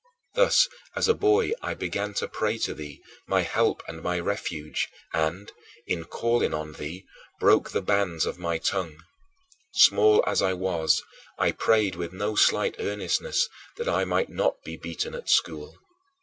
Thus as a boy I began to pray to thee, my Help and my Refuge, and, in calling on thee, broke the bands of my tongue. Small as I was, I prayed with no slight earnestness that I might not be beaten at school.